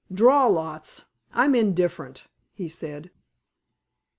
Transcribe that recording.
"Draw lots. I am indifferent," he said.